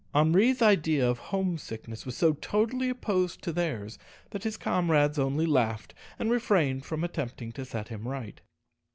Henri's idea of home sickness was so totally opposed to theirs that his comrades only laughed, and refrained from attempting to set him right.